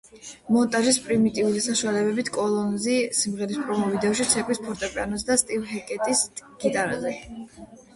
მონტაჟის პრიმიტიული საშუალებებით კოლინზი სიმღერის პრომო ვიდეოში ცეკვავს ფორტეპიანოზე და სტივ ჰეკეტის გიტარაზე.